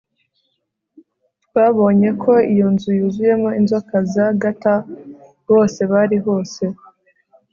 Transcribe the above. Twabonye ko iyo nzu yuzuyemo inzoka za garter Bose bari hose